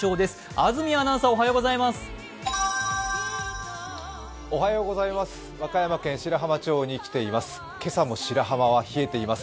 安住アナウンサーおはようございます。